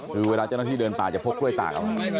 คือเวลาเจ้าหน้าที่เดินป่าจะพกกล้วยตาก